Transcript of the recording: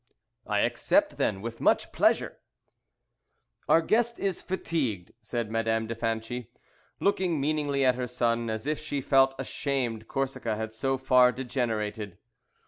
"I accept, then, with much pleasure." "Our guest is fatigued," said Madame de Franchi, looking meaningly at her son, as if she felt ashamed Corsica had so far degenerated.